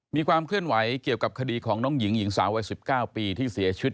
มีความเคลื่อนไหวเกี่ยวกับคดีของน้องหญิงหญิงสาววัย๑๙ปีที่เสียชีวิต